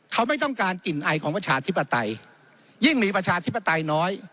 เขาไม่ต้องการกลิ่นไอของประชาธิปไตยยิ่งมีประชาธิปไตยน้อย